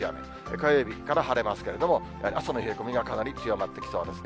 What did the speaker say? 火曜日から晴れますけれども、朝の冷え込みがかなり強まってきそうですね。